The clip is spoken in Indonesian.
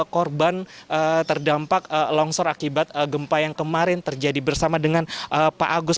korban terdampak longsor akibat gempa yang kemarin terjadi bersama dengan pak agus